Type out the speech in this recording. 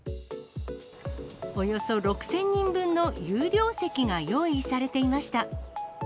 およそ６０００人分の有料席が用意されていました。